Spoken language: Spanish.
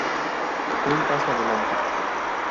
Fue un paso adelante.